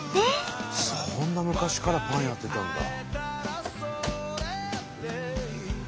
そんな昔からパンやってたんだ。